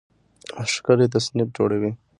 ښکلی تصنیف جوړوي